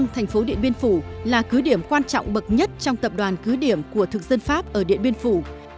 đồi a một thành phố điện biên phủ là cứ điểm quan trọng bậc nhất trong tập đoàn cứ điểm của thực dân pháp ở điện biên phủ